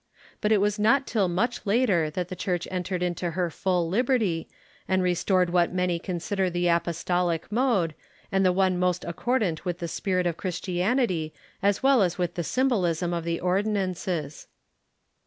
But it was not till much later that the Church entered into her full liberty, and restored what many consider the apostolic mode, and the one most accordant with the spirit of Christianity as well as with the symbolism of the ordi nances.